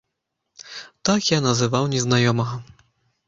Так я называў незнаёмага.